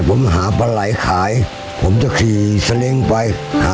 ผมหาปลาไหลขาย